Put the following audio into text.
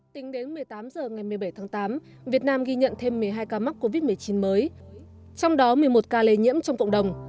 tính đến một mươi tám h ngày một mươi bảy tháng tám việt nam ghi nhận thêm một mươi hai ca mắc covid một mươi chín mới trong đó một mươi một ca lây nhiễm trong cộng đồng